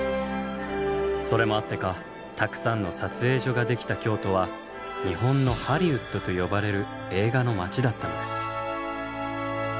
それもあってかたくさんの撮影所ができた京都は「日本のハリウッド」と呼ばれる映画の街だったのです。